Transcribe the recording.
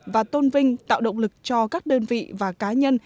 và tôn vinh tạo động lực cho các đơn vị và cá nhân